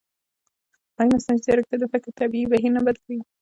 ایا مصنوعي ځیرکتیا د فکر طبیعي بهیر نه بدلوي؟